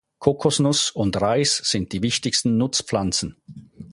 Kokosnuss und Reis sind die wichtigsten Nutzpflanzen.